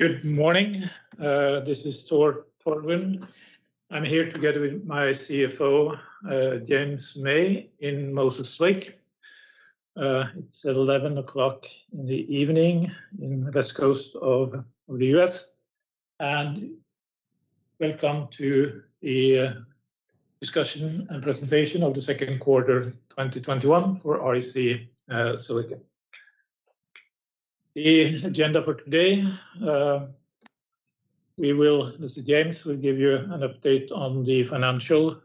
Good morning. This is Tore Torvund. I'm here together with my CFO, James May, in Moses Lake. It's 11:00 P.M. in the West Coast of the U.S. Welcome to the discussion and presentation of the second quarter 2021 for REC Silicon. The agenda for today, James will give you an update on the financial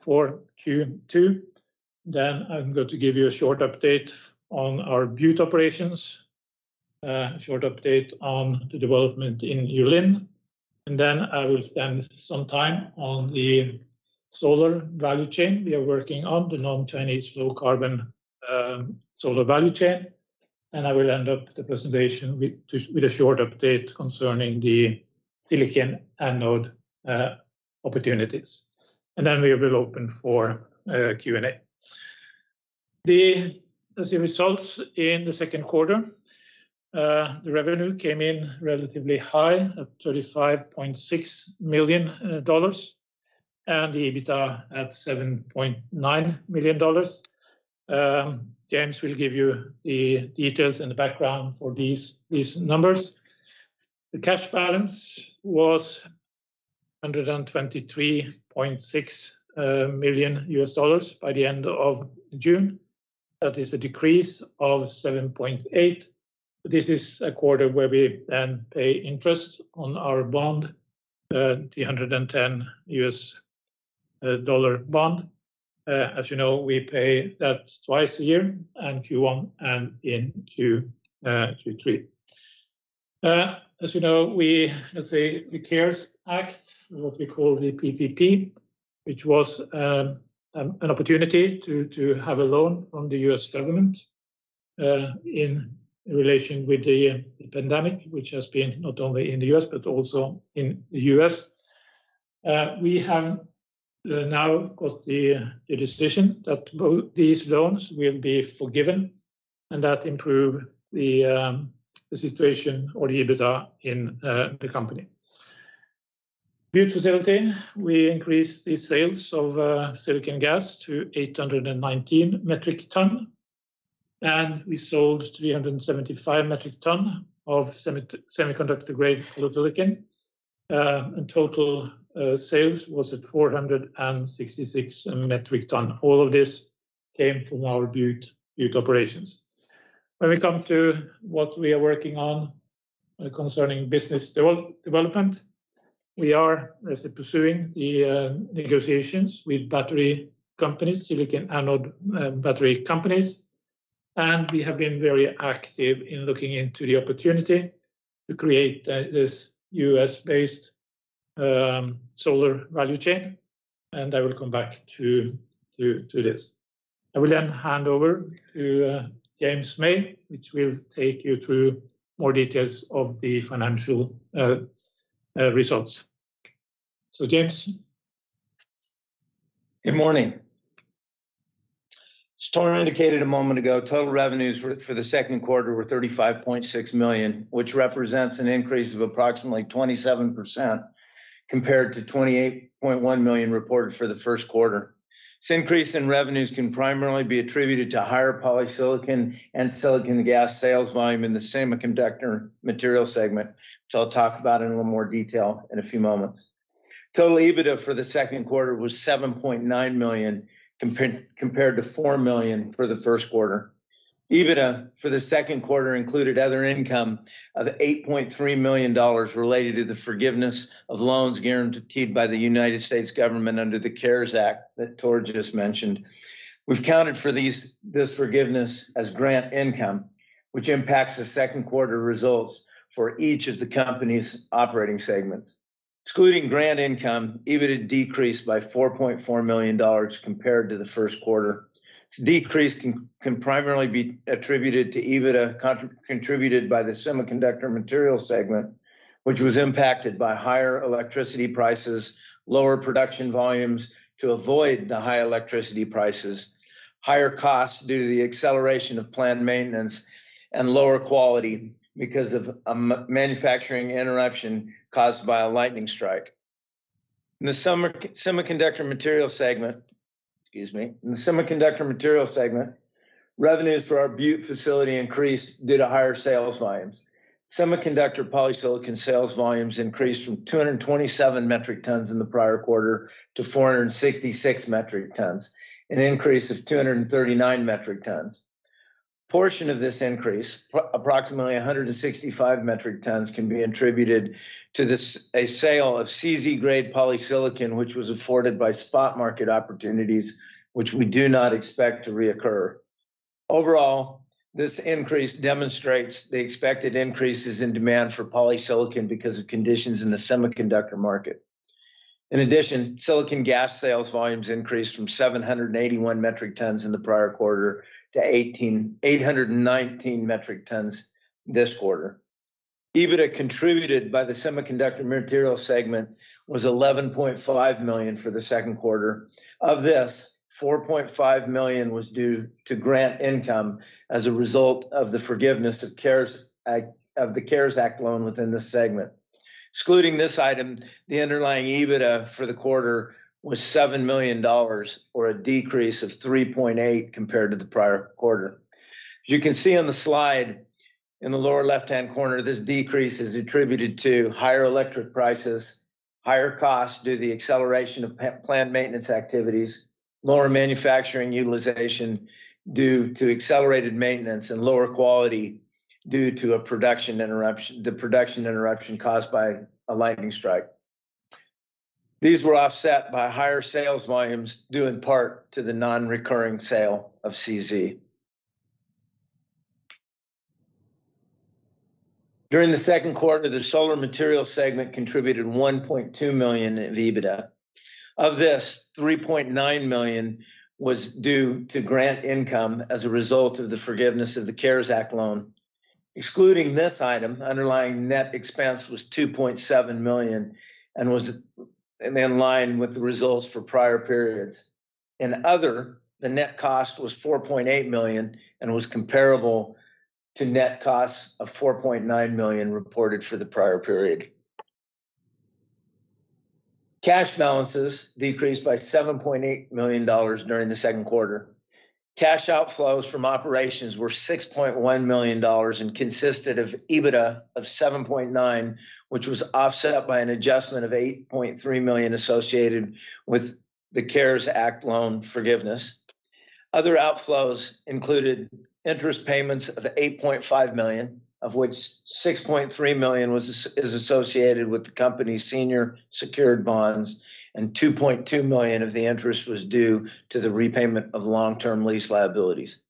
for Q2. I'm going to give you a short update on our Butte operations, a short update on the development in Yulin, I will spend some time on the solar value chain we are working on, the non-Chinese low-carbon solar value chain. I will end up the presentation with a short update concerning the silicon anode opportunities. We will open for Q&A. The results in the second quarter, the revenue came in relatively high at $35.6 million, and the EBITDA at $7.9 million. James will give you the details and the background for these numbers. The cash balance was $123.6 million by the end of June. That is a decrease of $7.8 million. This is a quarter where we then pay interest on our bond, the $110 bond. As you know, we pay that twice a year in Q1 and in Q3. As you know, the C.A.R.E.S Act, what we call the PPP, which was an opportunity to have a loan from the U.S. government, in relation with the pandemic, which has been not only in the U.S. but also in the U.S. We have now got the decision that both these loans will be forgiven, and that improve the situation or the EBITDA in the company. Butte facility, we increased the sales of silicon gas to 819 metric tons, and we sold 375 metric tons of semiconductor-grade polysilicon. Total sales was at 466 metric ton. All of this came from our Butte operations. When we come to what we are working on concerning business development, we are pursuing the negotiations with battery companies, silicon anode battery companies, and we have been very active in looking into the opportunity to create this U.S.-based solar value chain. I will come back to this. I will then hand over to James May, which will take you through more details of the financial results. James. Good morning. As Tore indicated a moment ago, total revenues for the second quarter were $35.6 million, which represents an increase of approximately 27% compared to $28.1 million reported for the first quarter. This increase in revenues can primarily be attributed to higher polysilicon and silicon gas sales volume in the semiconductor materials segment, which I'll talk about in a little more detail in a few moments. Total EBITDA for the second quarter was $7.9 million, compared to $4 million for the first quarter. EBITDA for the second quarter included other income of $8.3 million related to the forgiveness of loans guaranteed by the U.S. government under the C.A.R.E.S Act that Tore just mentioned. We've accounted for this forgiveness as grant income, which impacts the second quarter results for each of the company's operating segments. Excluding grant income, EBITDA decreased by $4.4 million compared to the first quarter. This decrease can primarily be attributed to EBITDA contributed by the Semiconductor Materials Segment, which was impacted by higher electricity prices, lower production volumes to avoid the high electricity prices, higher costs due to the acceleration of planned maintenance, and lower quality because of a manufacturing interruption caused by a lightning strike. In the Semiconductor Materials segment, revenues for our Butte facility increased due to higher sales volumes. Semiconductor polysilicon sales volumes increased from 227 metric tons in the prior quarter to 466 metric tons, an increase of 239 metric tons. A portion of this increase, approximately 165 metric tons, can be attributed to a sale of CZ-grade polysilicon, which was afforded by spot market opportunities, which we do not expect to reoccur. Overall, this increase demonstrates the expected increases in demand for polysilicon because of conditions in the semiconductor market. In addition, silicon gas sales volumes increased from 781 metric tons in the prior quarter to 819 metric tons this quarter. EBITDA contributed by the semiconductor materials segment was $11.5 million for the second quarter. Of this, $4.5 million was due to grant income as a result of the forgiveness of the C.A.R.E.S Act loan within this segment. Excluding this item, the underlying EBITDA for the quarter was $7 million, or a decrease of 3.8% compared to the prior quarter. As you can see on the slide in the lower left-hand corner, this decrease is attributed to higher electric prices, higher costs due to the acceleration of planned maintenance activities, lower manufacturing utilization due to accelerated maintenance, and lower quality due to a production interruption caused by a lightning strike. These were offset by higher sales volumes due in part to the non-recurring sale of CZ. During the second quarter, the Solar Materials segment contributed $1.2 million in EBITDA. Of this, $3.9 million was due to grant income as a result of the forgiveness of the C.A.R.E.S Act loan. Excluding this item, underlying net expense was $2.7 million and was in line with the results for prior periods. In other, the net cost was $4.8 million and was comparable to net costs of $4.9 million reported for the prior period. Cash balances decreased by $7.8 million during the second quarter. Cash outflows from operations were $6.1 million and consisted of EBITDA of $7.9 million, which was offset by an adjustment of $8.3 million associated with the C.A.R.E.S Act loan forgiveness. Other outflows included interest payments of $8.5 million, of which $6.3 million is associated with the company's senior secured bonds, and $2.2 million of the interest was due to the repayment of long-term lease liabilities.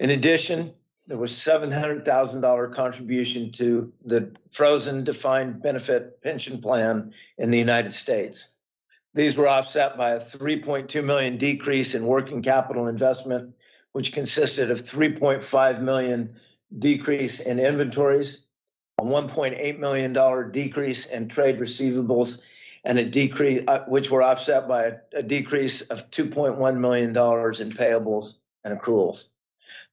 In addition, there was $700,000 contribution to the frozen defined benefit pension plan in the United States. These were offset by a $3.2 million decrease in working capital investment, which consisted of $3.5 million decrease in inventories, a $1.8 million decrease in trade receivables, which were offset by a decrease of $2.1 million in payables and accruals.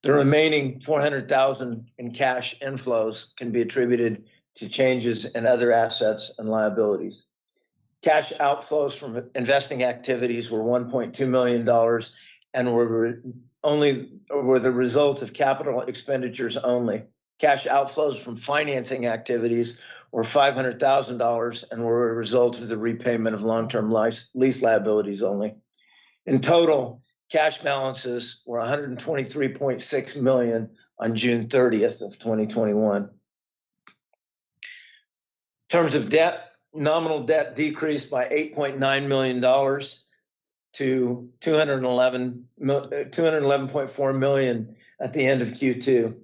The remaining $400,000 in cash inflows can be attributed to changes in other assets and liabilities. Cash outflows from investing activities were $1.2 million and were the result of capital expenditures only. Cash outflows from financing activities were $500,000 and were a result of the repayment of long-term lease liabilities only. In total, cash balances were $123.6 million on June 30th of 2021. In terms of debt, nominal debt decreased by $8.9 million to $211.4 million at the end of Q2.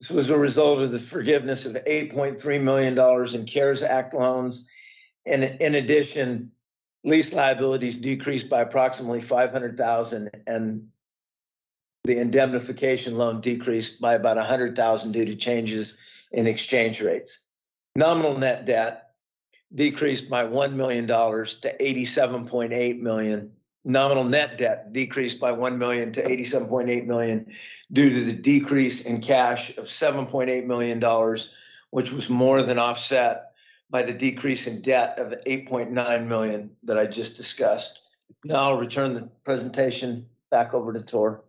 This was a result of the forgiveness of the $8.3 million in C.A.R.E.S Act loans, and in addition, lease liabilities decreased by approximately $500,000, and the indemnification loan decreased by about $100,000 due to changes in exchange rates. Nominal net debt decreased by $1 million to $87.8 million. Nominal net debt decreased by $1 million to $87.8 million due to the decrease in cash of $7.8 million, which was more than offset by the decrease in debt of $8.9 million that I just discussed. Now I'll return the presentation back over to Tore.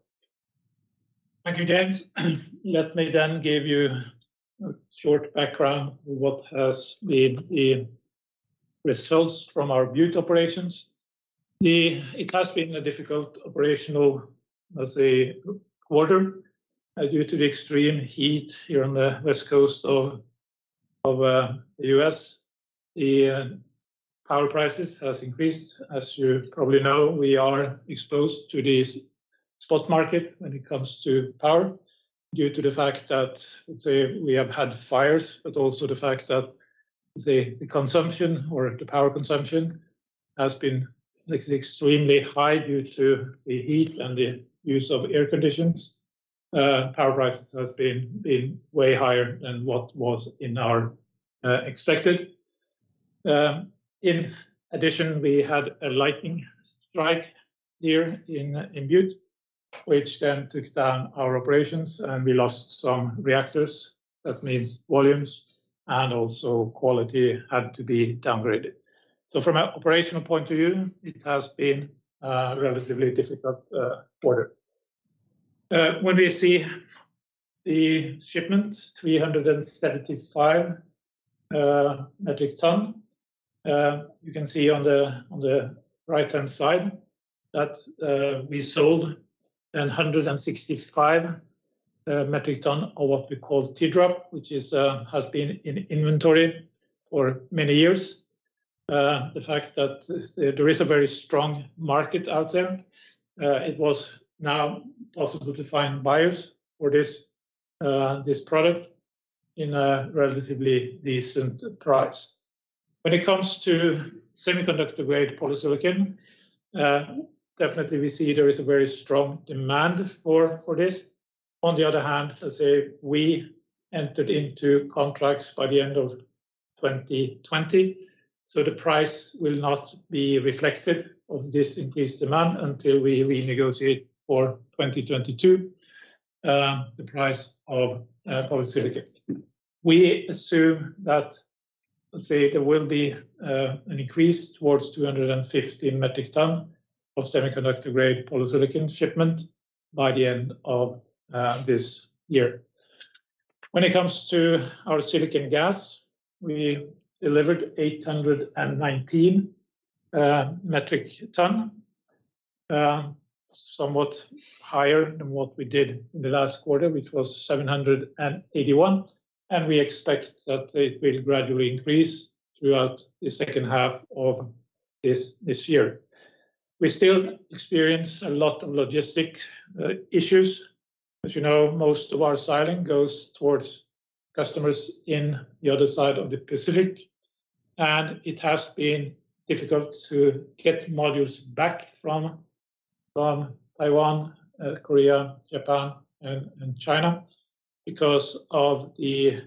Thank you, James. Let me give you a short background of what has been the results from our Butte operations. It has been a difficult operational quarter due to the extreme heat here on the West Coast of the U.S. The power prices has increased. As you probably know, we are exposed to the spot market when it comes to power due to the fact that we have had fires, but also the fact that the consumption or the power consumption has been extremely high due to the heat and the use of air conditions. Power prices has been way higher than what was in our expected. In addition, we had a lightning strike here in Butte, which then took down our operations, and we lost some reactors. That means volumes and also quality had to be downgraded. From an operational point of view, it has been a relatively difficult quarter. When we see the shipment, 375 metric ton, you can see on the right-hand side that we sold 165 metric ton of what we call TDROP, which has been in inventory for many years. The fact that there is a very strong market out there, it was now possible to find buyers for this product in a relatively decent price. When it comes to semiconductor-grade polysilicon, definitely we see there is a very strong demand for this. On the other hand, we entered into contracts by the end of 2020, so the price will not be reflected of this increased demand until we renegotiate for 2022, the price of polysilicon. We assume that there will be an increase towards 250 metric ton of semiconductor-grade polysilicon shipment by the end of this year. When it comes to our silicon gas, we delivered 819 metric ton, somewhat higher than what we did in the last quarter, which was 781 metric ton, and we expect that it will gradually increase throughout the second half of this year. We still experience a lot of logistic issues. As you know, most of our silane goes towards customers in the other side of the Pacific, and it has been difficult to get modules back from Taiwan, Korea, Japan, and China because of the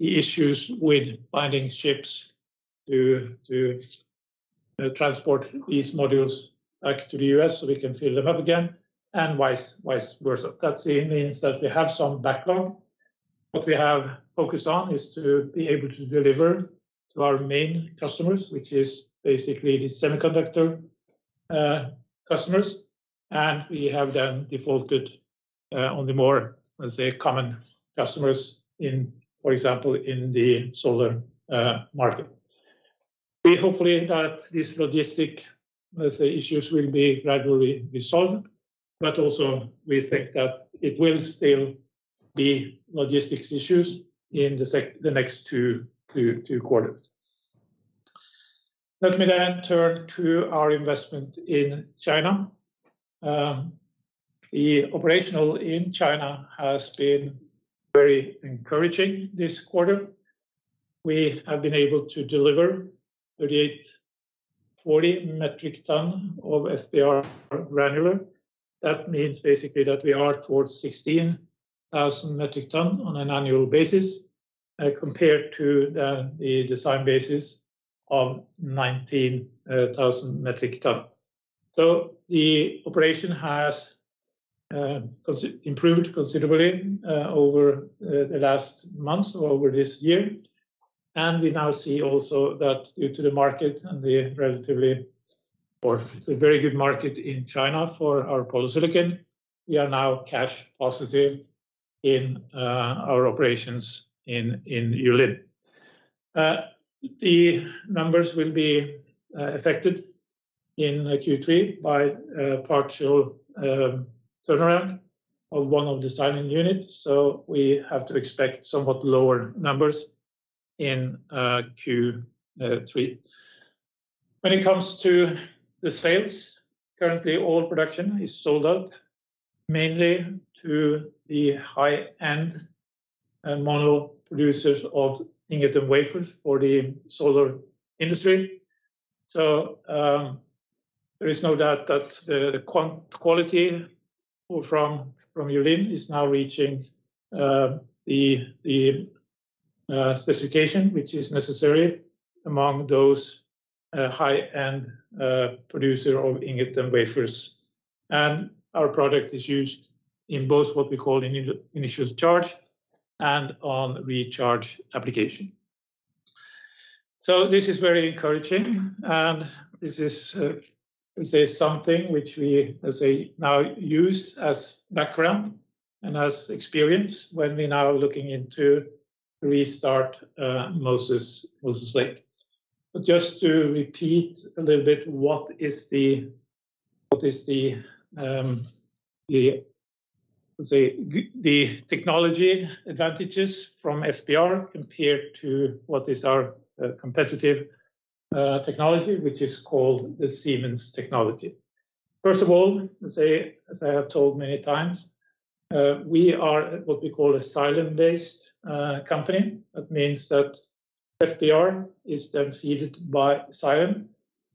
issues with finding ships to transport these modules back to the U.S. so we can fill them up again, and vice versa. That means that we have some backlog. What we have focused on is to be able to deliver to our main customers, which is basically the semiconductor customers, and we have then defaulted on the more common customers, for example, in the solar market. We hope that these logistic issues will be gradually resolved, also we think that it will still be logistics issues in the next two quarters. Let me turn to our investment in China. The operational in China has been very encouraging this quarter. We have been able to deliver 3,840 metric tons of FBR granular. That means basically that we are towards 16,000 metric tons on an annual basis compared to the design basis of 19,000 metric tons. The operation has improved considerably over the last month, over this year, and we now see also that due to the market and the relatively very good market in China for our polysilicon, we are now cash positive in our operations in Yulin. The numbers will be affected in Q3 by a partial turnaround of one of the silane units, so we have to expect somewhat lower numbers in Q3. When it comes to the sales, currently all production is sold out, mainly to the high-end mono producers of ingot and wafers for the solar industry. There is no doubt that the quality from Yulin is now reaching the specification which is necessary among those high-end producer of ingot and wafers. Our product is used in both what we call initial charge and on recharge application. This is very encouraging, and this is something which we now use as background and as experience when we are now looking into restart Moses Lake. Just to repeat a little bit, what is the technology advantages from FBR compared to what is our competitive technology, which is called the Siemens technology? First of all, as I have told many times, we are what we call a silane-based company. That means that FBR is then seeded by silane.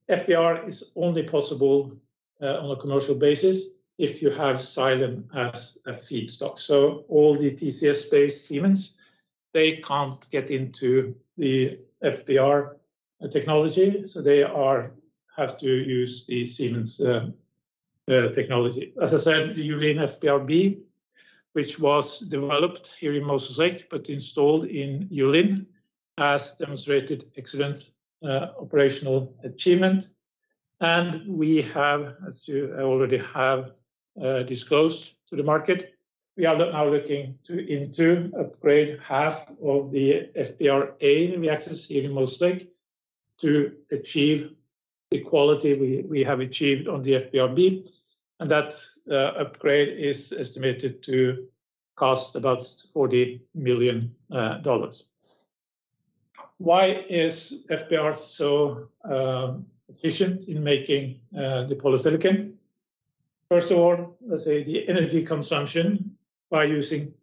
FBR is only possible on a commercial basis if you have silane as a feedstock. All the TCS-based Siemens, they can't get into the FBR technology, they have to use the Siemens technology. As I said, the Yulin FBR-B, which was developed here in Moses Lake but installed in Yulin, has demonstrated excellent operational achievement. We have, as you already have disclosed to the market, we are now looking into upgrade half of the FBR-A reactors here in Moses Lake to achieve the quality we have achieved on the FBR-B, that upgrade is estimated to cost about $40 million. Why is FBR so efficient in making the polysilicon? First of all, let's say the energy consumption by using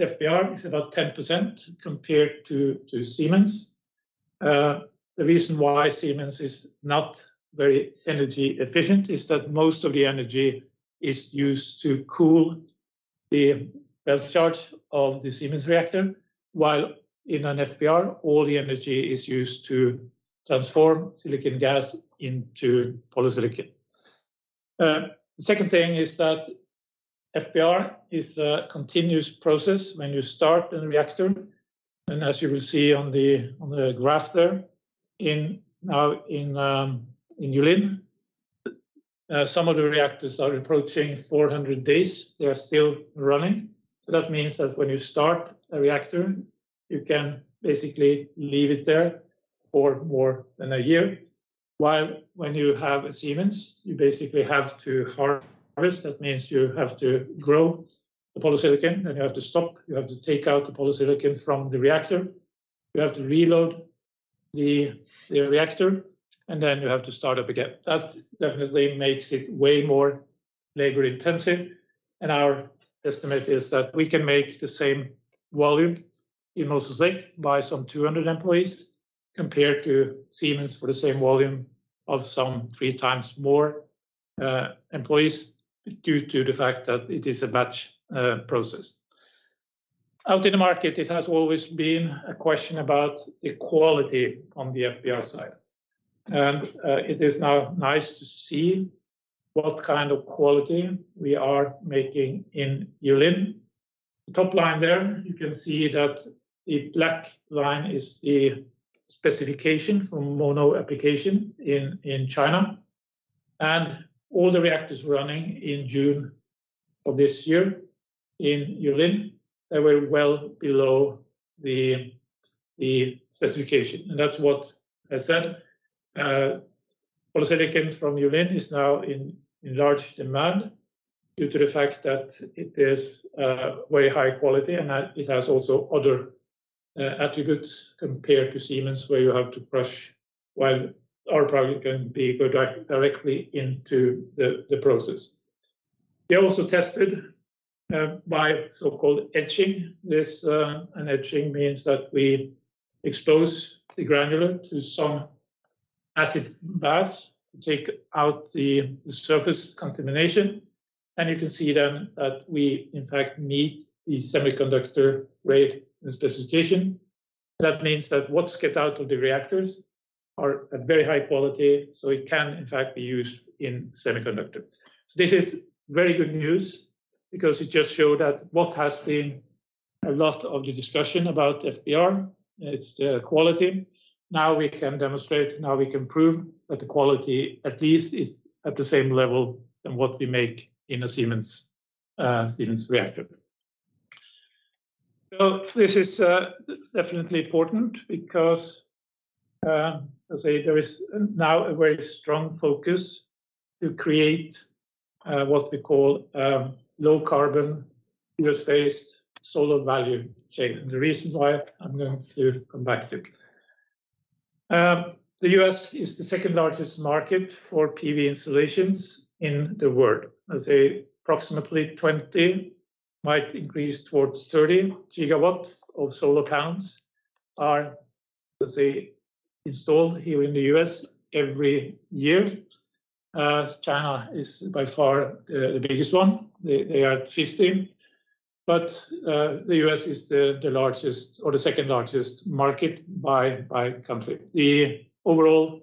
FBR is about 10% compared to Siemens. The reason why Siemens is not very energy efficient is that most of the energy is used to cool the bell jar of the Siemens reactor, while in an FBR, all the energy is used to transform silicon gas into polysilicon. Second thing is that FBR is a continuous process when you start in the reactor, and as you will see on the graph there, now in Yulin, some of the reactors are approaching 400 days. They are still running. That means that when you start a reactor, you can basically leave it there for more than a year. While when you have a Siemens, you basically have to harvest. That means you have to grow the polysilicon, and you have to stop. You have to take out the polysilicon from the reactor. You have to reload the reactor, and then you have to start up again. That definitely makes it way more labor-intensive, and our estimate is that we can make the same volume in Moses Lake by some 200 employees compared to Siemens for the same volume of some three times more employees due to the fact that it is a batch process. Out in the market, it has always been a question about the quality on the FBR side. It is now nice to see what kind of quality we are making in Yulin. Top line there, you can see that the black line is the specification for mono application in China. All the reactors running in June of this year in Yulin, they were well below the specification. That's what I said. Polysilicon from Yulin is now in large demand due to the fact that it is very high quality and that it has also other attributes compared to Siemens, where you have to crush, while our product can go directly into the process. They also tested by so-called etching. An etching means that we expose the granular to some acid bath to take out the surface contamination. You can see then that we, in fact, meet the semiconductor grade specification. That means that what gets out of the reactors are at very high quality, so it can in fact be used in semiconductor. This is very good news because it just showed that what has been a lot of the discussion about FBR, it's the quality. Now we can demonstrate, now we can prove that the quality at least is at the same level than what we make in a Siemens reactor. This is definitely important because, let's say there is now a very strong focus to create what we call low-carbon, U.S.-based solar value chain. The reason why I'm going to come back to. The U.S. is the second-largest market for PV installations in the world. Let's say approximately 20 GW, might increase towards 30 GW of solar panels are, let's say, installed here in the U.S. every year. China is by far the biggest one. They are at 50 GW. The U.S. is the largest or the second-largest market by country. The overall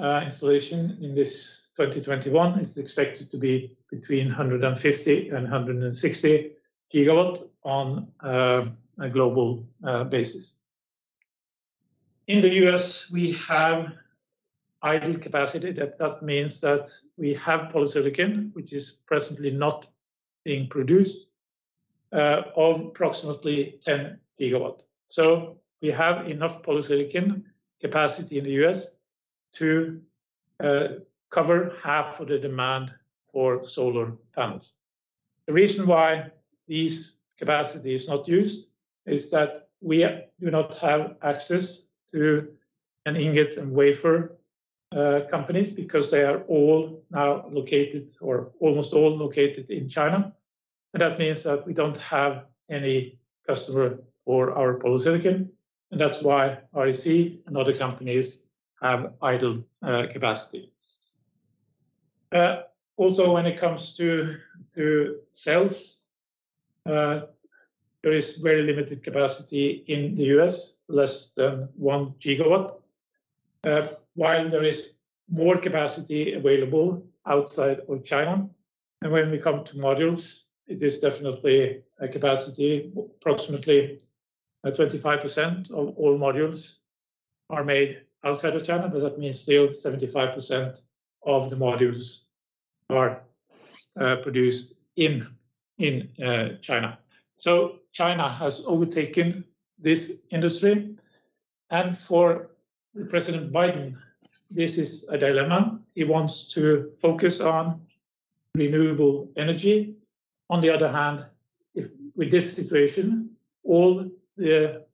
installation in this 2021 is expected to be between 150 GW and 160 GW on a global basis. In the U.S., we have idle capacity. Means that we have polysilicon, which is presently not being produced, of approximately 10 GW. We have enough polysilicon capacity in the U.S. to cover half of the demand for solar panels. The reason why this capacity is not used is that we do not have access to an ingot and wafer companies because they are all now located, or almost all located in China. That means that we don't have any customer for our polysilicon. That's why REC and other companies have idle capacity. Also when it comes to cells, there is very limited capacity in the U.S., less than 1 GW. While there is more capacity available outside of China. When we come to modules, it is definitely a capacity, approximately 25% of all modules are made outside of China, but that means still 75% of the modules are produced in China. China has overtaken this industry. For President Biden, this is a dilemma. He wants to focus on renewable energy. On the other hand, with this situation, all the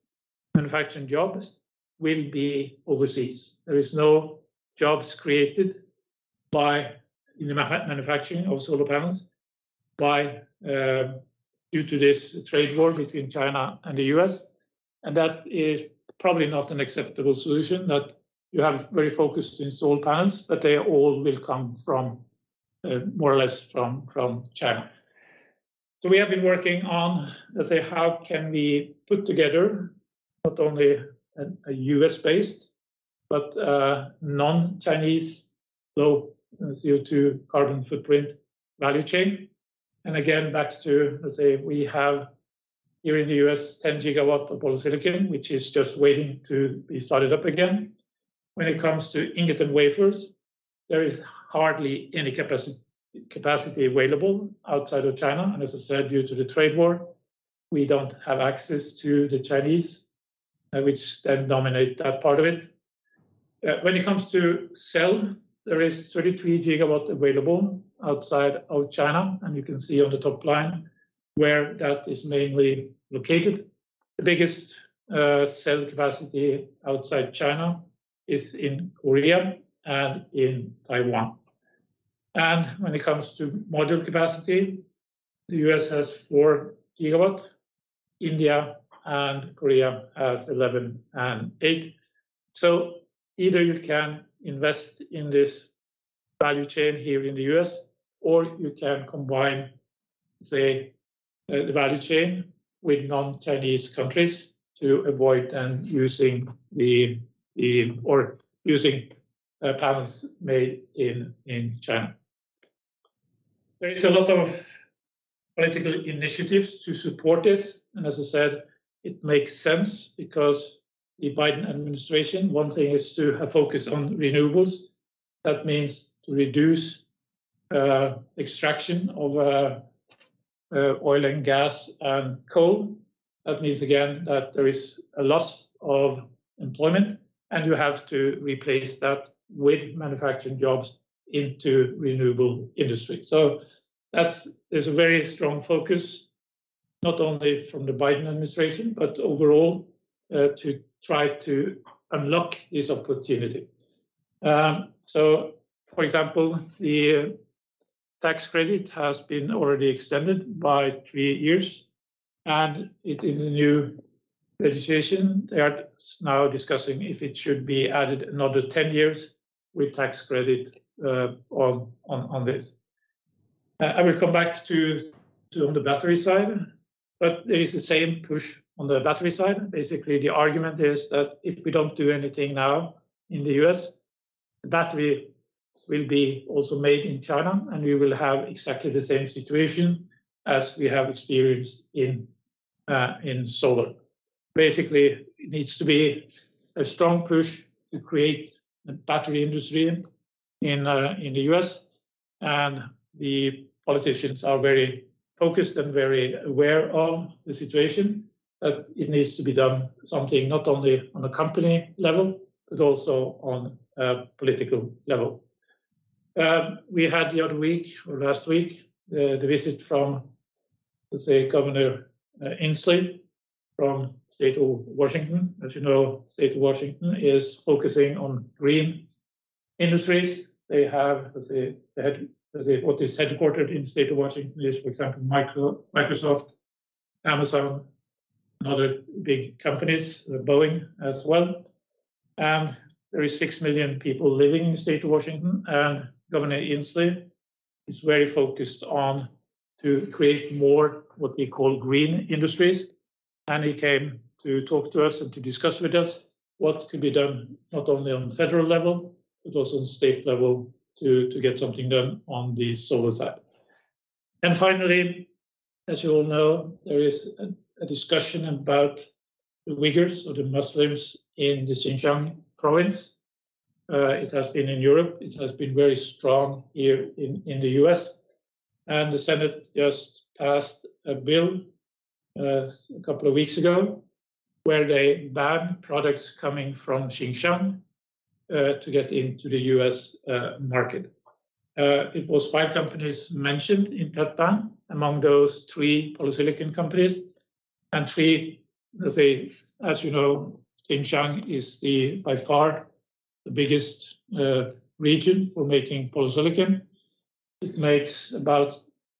manufacturing jobs will be overseas. There is no jobs created in the manufacturing of solar panels due to this trade war between China and the U.S. That is probably not an acceptable solution that you have very focused in solar panels, but they all will come more or less from China. We have been working on, let's say, how can we put together not only a U.S.-based but a non-Chinese, low CO2 carbon footprint value chain. Again, back to, let's say, we have here in the U.S. 10 GW of polysilicon, which is just waiting to be started up again. When it comes to ingot and wafers, there is hardly any capacity available outside of China, and as I said, due to the trade war, we don't have access to the Chinese, which then dominate that part of it. When it comes to cell, there is 33 GW available outside of China. You can see on the top line where that is mainly located. The biggest cell capacity outside China is in Korea and in Taiwan. When it comes to module capacity, the U.S. has 4 GW. India and Korea has 11 GW and 8 GW. Either you can invest in this value chain here in the U.S. or you can combine, say, the value chain with non-Chinese countries to avoid then using panels made in China. There is a lot of political initiatives to support this. As I said, it makes sense because the Biden administration, one thing is to have focus on renewables. That means to reduce extraction of oil and gas and coal. That means again that there is a loss of employment and you have to replace that with manufacturing jobs into renewable industry. There's a very strong focus not only from the Biden administration, but overall, to try to unlock this opportunity. For example, the tax credit has been already extended by three years and in the new legislation, they are now discussing if it should be added another 10 years with tax credit on this. I will come back to on the battery side, but there is the same push on the battery side. The argument is that if we don't do anything now in the U.S., the battery will be also made in China and we will have exactly the same situation as we have experienced in solar. Basically, it needs to be a strong push to create a battery industry in the U.S. and the politicians are very focused and very aware of the situation that it needs to be done something not only on a company level but also on a political level. We had the other week or last week, the visit from, let's say, Governor Inslee from State of Washington. As you know, State of Washington is focusing on green industries. What is headquartered in the State of Washington is, for example, Microsoft, Amazon, and other big companies, Boeing as well. There is 6 million people living in the state of Washington, and Governor Inslee is very focused on to create more what we call green industries. He came to talk to us and to discuss with us what could be done not only on federal level but also on state level to get something done on the solar side. Finally, as you all know, there is a discussion about the Uyghurs or the Muslims in the Xinjiang province. It has been in Europe, it has been very strong here in the U.S. The Senate just passed a bill a couple of weeks ago where they ban products coming from Xinjiang to get into the U.S. market. It was five companies mentioned in total. Among those, three polysilicon companies and three, let's say, as you know, Xinjiang is by far the biggest region for making polysilicon. It makes about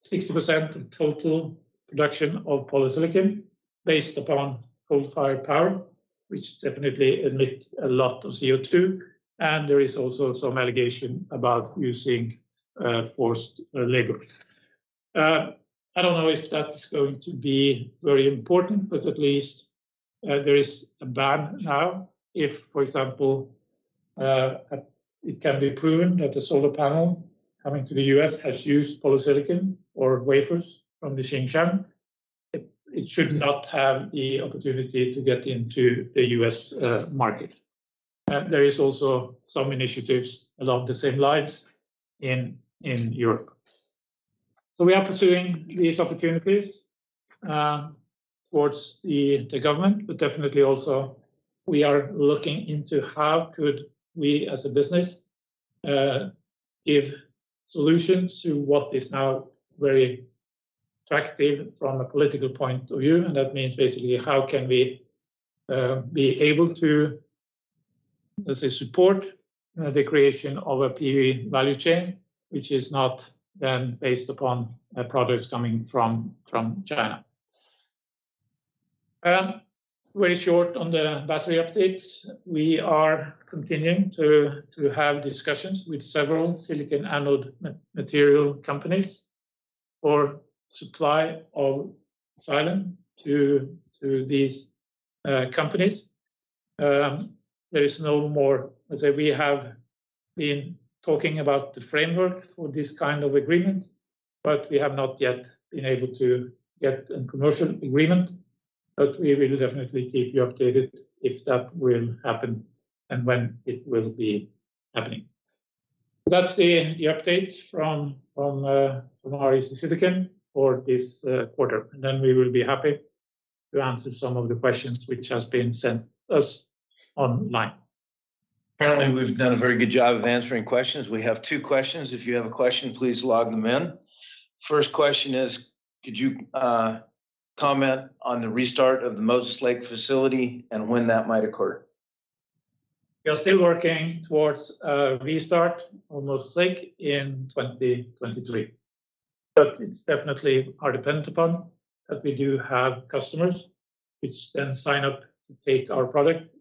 60% of total production of polysilicon based upon coal-fired power, which definitely emit a lot of CO2 and there is also some allegation about using forced labor. I don't know if that's going to be very important, but at least there is a ban now. If, for example, it can be proven that a solar panel coming to the U.S. has used polysilicon or wafers from the Xinjiang, it should not have the opportunity to get into the U.S. market. There is also some initiatives along the same lines in Europe. We are pursuing these opportunities towards the government, but definitely also we are looking into how could we as a business give solution to what is now very attractive from a political point of view, and that means basically how can we be able to support the creation of a PV value chain, which is not then based upon products coming from China. Very short on the battery updates. We are continuing to have discussions with several silicon anode material companies for supply of silane to these companies. We have been talking about the framework for this kind of agreement, but we have not yet been able to get a commercial agreement. We will definitely keep you updated if that will happen and when it will be happening. That's the update from REC Silicon for this quarter. We will be happy to answer some of the questions which have been sent to us online. Apparently, we've done a very good job of answering questions. We have two questions. If you have a question, please log them in. First question is, could you comment on the restart of the Moses Lake facility and when that might occur? We are still working towards a restart of Moses Lake in 2023. It's definitely dependent upon that we do have customers which then sign up to take our product,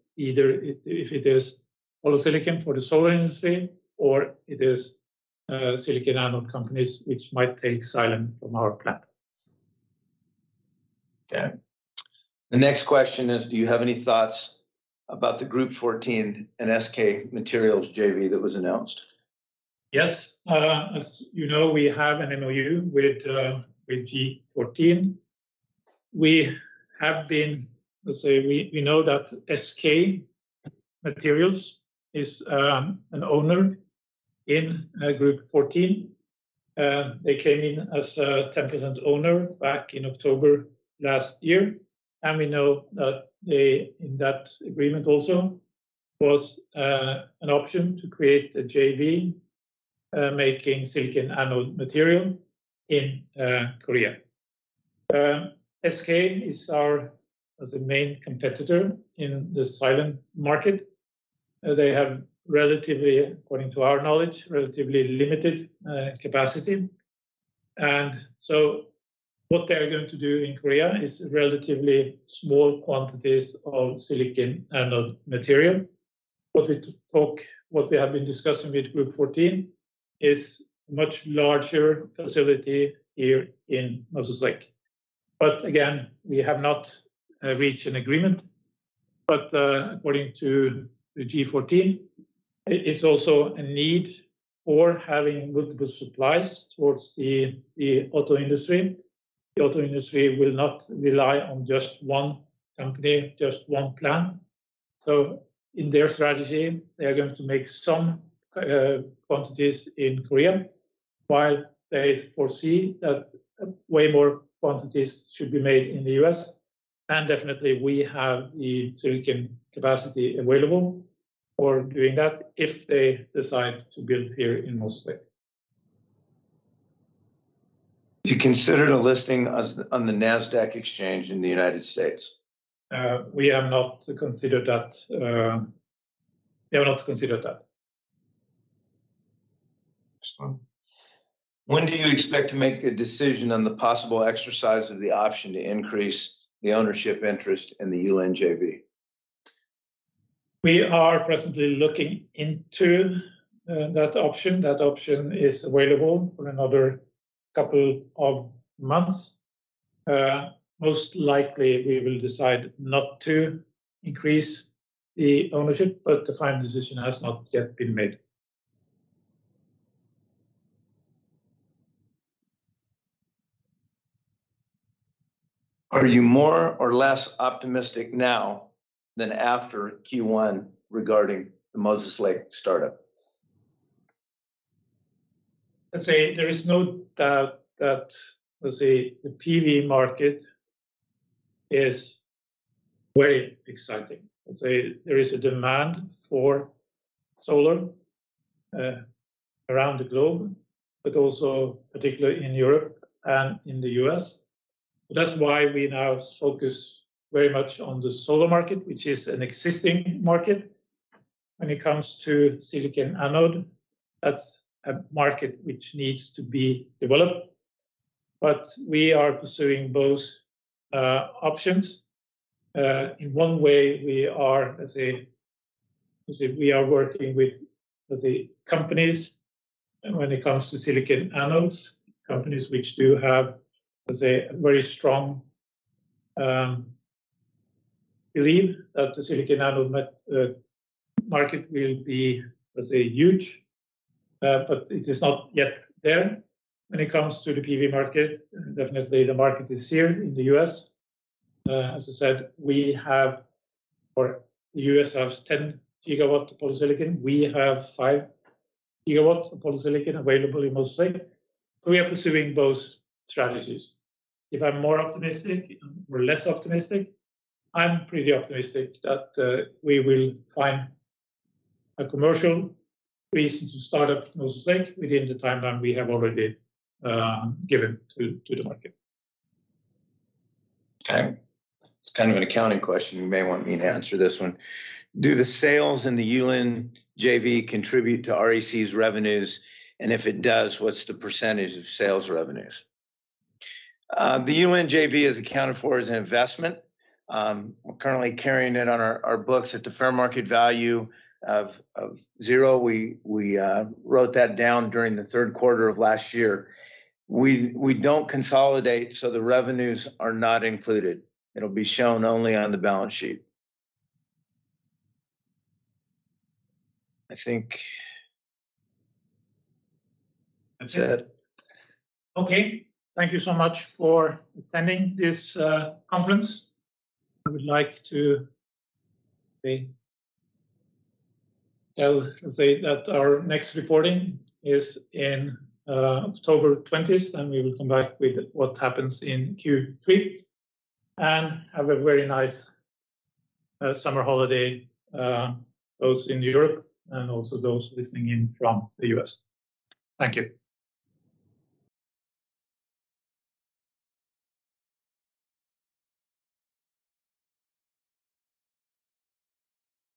either if it is polysilicon for the solar industry or it is silicon anode companies which might take silane from our plant. Okay. The next question is, do you have any thoughts about the Group14 and SK Materials JV that was announced? Yes. As you know, we have an MOU with G14. We know that SK Materials is an owner in Group14. They came in as a 10% owner back in October last year. We know that in that agreement also was an option to create a JV making silicon anode material in Korea. SK is our main competitor in the silane market. They have, according to our knowledge, relatively limited capacity. What they are going to do in Korea is relatively small quantities of silicon anode material. What we have been discussing with Group14 is much larger facility here in Moses Lake. Again, we have not reached an agreement. According to G14, it's also a need for having multiple supplies towards the auto industry. The auto industry will not rely on just one company, just one plant. In their strategy, they are going to make some quantities in Korea while they foresee that way more quantities should be made in the U.S. Definitely, we have the silicon capacity available for doing that if they decide to build here in Moses Lake. Have you considered a listing on the Nasdaq exchange in the United States? We have not considered that. Next one. When do you expect to make a decision on the possible exercise of the option to increase the ownership interest in the Yulin JV? We are presently looking into that option. That option is available for another couple of months. Most likely, we will decide not to increase the ownership, but the final decision has not yet been made. Are you more or less optimistic now than after Q1 regarding the Moses Lake startup? Let's say there is no doubt that the PV market is very exciting. There is a demand for solar around the globe, particularly in Europe and in the U.S. That's why we now focus very much on the solar market, which is an existing market. When it comes to silicon anode, that's a market which needs to be developed. We are pursuing both options. In one way, we are working with companies when it comes to silicon anodes, companies which do have a very strong belief that the silicon anode market will be huge. It is not yet there. When it comes to the PV market, definitely the market is here in the U.S. As I said, the U.S. has 10 GW of polysilicon. We have 5 GW of polysilicon available in Moses Lake. We are pursuing both strategies. If I'm more optimistic or less optimistic? I'm pretty optimistic that we will find a commercial reason to start up Moses Lake within the timeline we have already given to the market. Okay. It's kind of an accounting question. You may want me to answer this one. Do the sales in the Yulin JV contribute to REC's revenues? If it does, what's the percentage of sales revenues? The Yulin JV is accounted for as an investment. We're currently carrying it on our books at the fair market value of zero. We wrote that down during the third quarter of last year. We don't consolidate, so the revenues are not included. It'll be shown only on the balance sheet. I think that's it. Okay. Thank you so much for attending this conference. I would like to tell that our next reporting is in October 20th. We will come back with what happens in Q3. Have a very nice summer holiday, those in Europe and also those listening in from the U.S. Thank you.